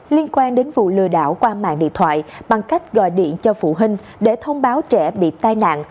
liên quan đến vụ lừa đảo qua mạng điện thoại bằng cách gọi điện cho phụ huynh để thông báo trẻ bị tai nạn